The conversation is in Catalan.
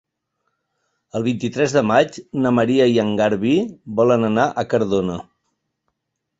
El vint-i-tres de maig na Maria i en Garbí volen anar a Cardona.